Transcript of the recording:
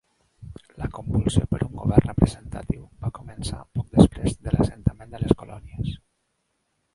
La convulsió per un govern representatiu va començar poc després de l'assentament de les colònies.